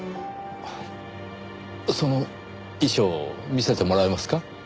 その遺書を見せてもらえますか？